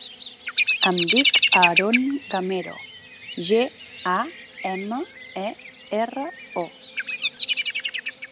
Em dic Aaron Gamero: ge, a, ema, e, erra, o.